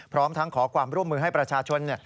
พร้อมทั้งขอความร่วมมือให้ประชาชน